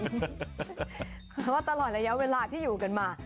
เพราะว่าตลอดระยะเวลาที่อยู่กันมา